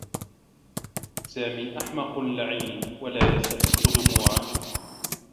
سامي أحمق لعين و لا يستحقّ دموعكِ.